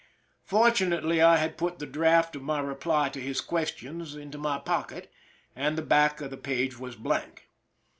Fortunately, I had put the draft of my reply to his questions into my pocket, and the back of the page was blank.